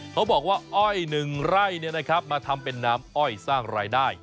บอกว่าอ้อยหนึ่งไร่มาทำเป็นน้ำอ้อยสร้างรายได้